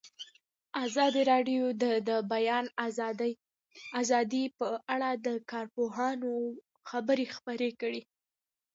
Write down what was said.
ازادي راډیو د د بیان آزادي په اړه د کارپوهانو خبرې خپرې کړي.